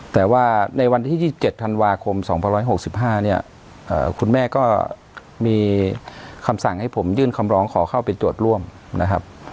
แต่ว่าในวันที่๒๗ธันวาคม๒๑๖๕เนี่ยคุณแม่ก็มีคำสั่งให้ผมยื่นคำร้องขอเข้าไปตรวจร่วมนะครับ